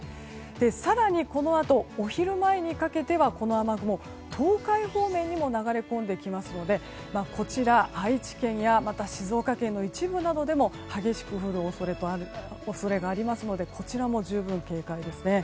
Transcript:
更にこのあと、お昼前にかけてはこの雨雲、東海方面に流れ込んできますので愛知県や静岡県の一部などでも激しく降る恐れがありますのでこちらも十分警戒ですね。